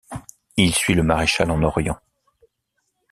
Il suit le maréchal en Orient.